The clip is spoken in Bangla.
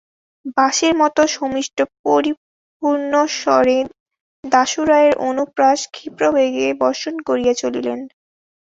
বাঁশির মতো সুমিষ্ট পরিপূর্ণস্বরে দাশুরায়ের অনুপ্রাস ক্ষিপ্রবেগে বর্ষণ করিয়া চলিল।